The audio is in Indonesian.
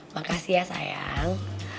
makasih ya sayang